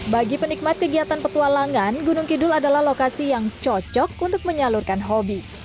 bagi penikmat kegiatan petualangan gunung kidul adalah lokasi yang cocok untuk menyalurkan hobi